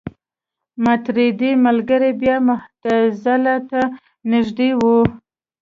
ماتریدي ملګري بیا معتزله ته نژدې وو.